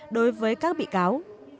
đối với các bị cáo